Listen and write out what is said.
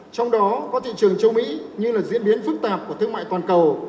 trong đó có thị trường châu mỹ như là diễn biến phức tạp của thương mại toàn cầu